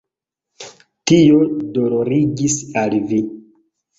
Tio dolorigis al vi.